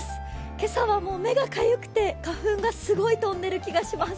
今朝はもう目がかゆくて、花粉がすごい飛んでる気がします。